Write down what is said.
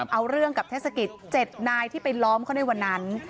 เอาเรื่องกับเทศกิจ๗นายที่ไปล้อมเขาในวันนั้น